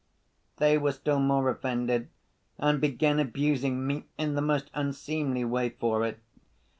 They were still more offended and began abusing me in the most unseemly way for it.